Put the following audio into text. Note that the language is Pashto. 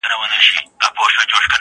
زه به بختور یم -